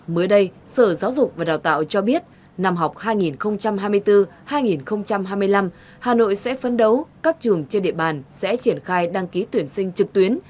mới đây sở giáo dục và đào tạo cho biết năm học hai nghìn hai mươi bốn hai nghìn hai mươi năm hà nội sẽ phấn đấu các trường trên địa bàn sẽ triển khai đăng ký tuyển sinh trực tuyến